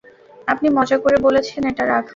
আপনি মজা করে বলেছেন, এটা রাখব?